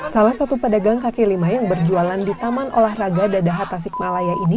salah satu pedagang kaki lima yang berjualan di taman olah raga dadahat tasikmalaya ini